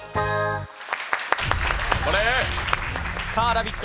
「ラヴィット！」